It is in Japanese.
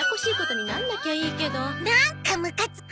なんかムカつく！